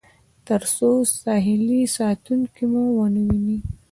تر څو ساحلي ساتونکي مو ونه وویني.